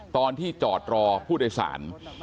ตอนที่จอดรอผู้โดยสาร